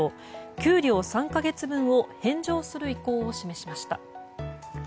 給料３か月分を返上する意向を示しました。